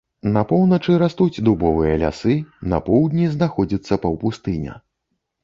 На поўначы растуць дубовыя лясы, на поўдні знаходзіцца паўпустыня.